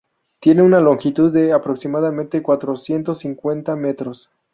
Tiene una longitud de aproximadamente cuatrocientos cincuenta metros.